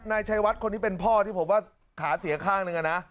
นายชัยวัดคนนี้เป็นพ่อที่ผมว่าขาเสียข้างหนึ่งอะนะ